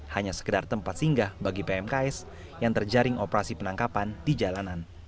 hanya sekedar tempat singgah bagi pmks yang terjaring operasi penangkapan di jalanan